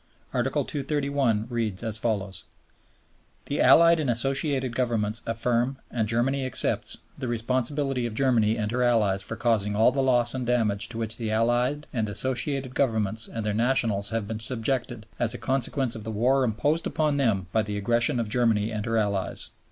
Article 231 reads: "The Allied and Associated Governments affirm and Germany accepts the responsibility of Germany and her allies for causing all the loss and damage to which the Allied and Associated Governments and their nationals have been subjected as a consequence of the war imposed upon them by the aggression of Germany and her allies."